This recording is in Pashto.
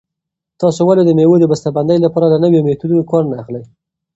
تاسې ولې د مېوو د بسته بندۍ لپاره له نویو میتودونو کار نه اخلئ؟